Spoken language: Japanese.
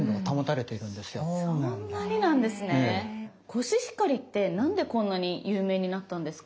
コシヒカリって何でこんなに有名になったんですか？